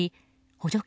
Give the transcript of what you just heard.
補助金